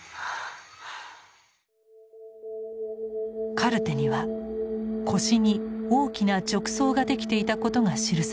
カルテには腰に大きな褥瘡ができていたことが記されています。